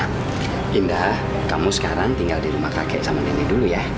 indah kamu sekarang tinggal di rumah kakek sama nenek dulu ya